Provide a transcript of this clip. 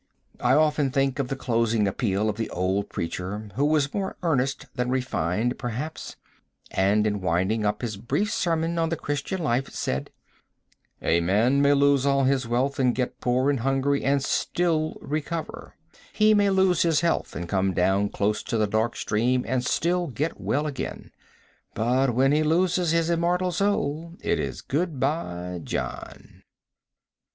I often think of the closing appeal of the old preacher, who was more earnest than refined, perhaps, and in winding up his brief sermon on the Christian life, said: "A man may lose all his wealth and get poor and hungry and still recover, he may lose his health and come down close to the dark stream and still git well again, but, when he loses his immortal soul it is good bye John."